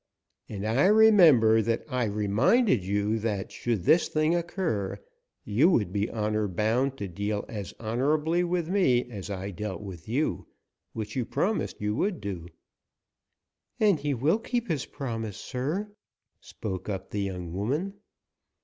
"And I remember that I reminded you that should this thing occur, you would be honor bound to deal as honorably with me as I dealt with you, which you promised you would do." "And he will keep his promise, sir," spoke up the young woman.